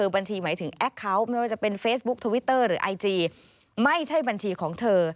บัญชีหมายถึงแอคเคาน์ไม่ว่าจะเป็นเฟซบุ๊คทวิตเตอร์หรือไอจีไม่ใช่บัญชีของเธอ